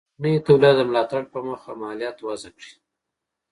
د کورنیو تولیداتو د ملاتړ په موخه مالیات وضع کړي.